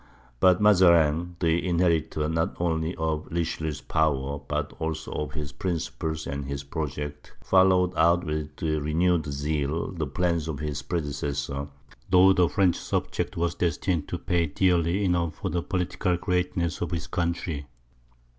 But Mazarin, the inheritor, not only of Richelieu's power, but also of his principles and his projects, followed out with renewed zeal the plans of his predecessor, though the French subject was destined to pay dearly enough for the political greatness of his country.